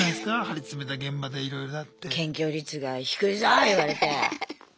張り詰めた現場でいろいろあって。